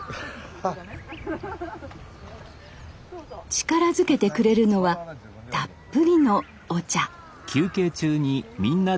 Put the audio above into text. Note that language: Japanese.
力づけてくれるのはたっぷりのお茶